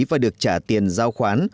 và được trả tiền giao khoán